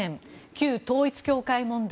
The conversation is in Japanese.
旧統一教会問題